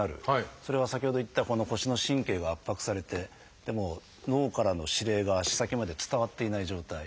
それは先ほど言った腰の神経が圧迫されて脳からの指令が足先まで伝わっていない状態。